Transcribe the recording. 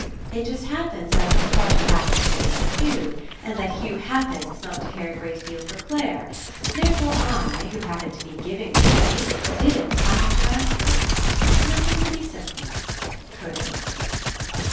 It just happens that this party happens to be for Hugh, and that Hugh happens not to care a great deal for Clare; therefore I, who happen to be giving the party, didn't happen to ask her. Nothing could be simpler. Could it?"